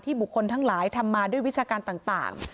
บุคคลทั้งหลายทำมาด้วยวิชาการต่าง